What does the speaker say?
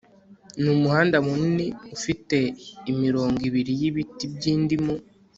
Ni umuhanda munini ufite imirongo ibiri yibiti byindimu